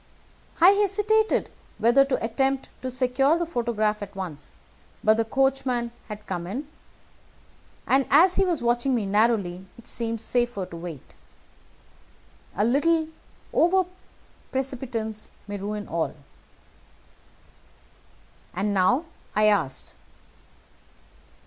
I hesitated whether to attempt to secure the photograph at once; but the coachman had come in, and as he was watching me narrowly, it seemed safer to wait. A little over precipitance may ruin all." "And now?" I asked.